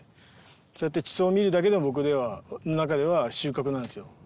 そうやって地層を見るだけでも僕の中では収穫なんですよ。